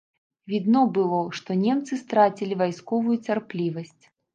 Відно было, што немцы страцілі вайсковую цярплівасць.